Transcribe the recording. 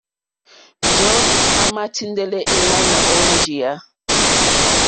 Njɔ̀ɔ́ àmà tíndɛ́lɛ́ èŋwánà ó njìyá.